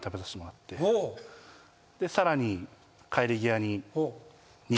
さらに。